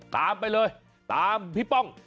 ตามไปเลยตามพี่ป้อง